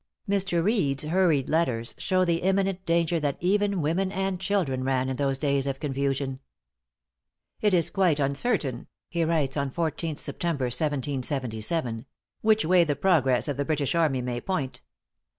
Mr. Reed's hurried letters show the imminent danger that even women and children ran in those days of confusion. "It is quite uncertain," he writes on 14th September, 1777, "which way the progress of the British army may point.